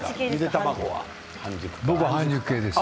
僕、半熟系です。